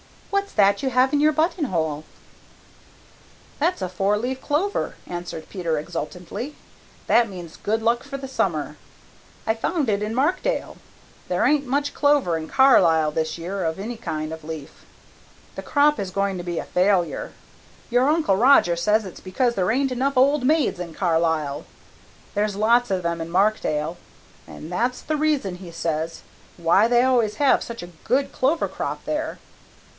"What's that you have in your buttonhole?" "That's a four leaved clover," answered Peter exultantly. "That means good luck for the summer. I found it in Markdale. There ain't much clover in Carlisle this year of any kind of leaf. The crop is going to be a failure. Your Uncle Roger says it's because there ain't enough old maids in Carlisle. There's lots of them in Markdale, and that's the reason, he says, why they always have such good clover crops there."